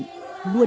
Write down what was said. các cuộc lượn